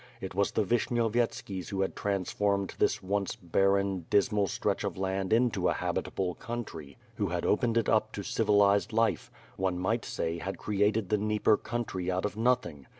It was the Vishnyo vyetski's who had transformed this once barren, dismal WITH FIRE AND SWORD. 305 stretch of land into a habitable country; who had opened it up to civilized life; one might say, had created the Dnieper country out of nothing.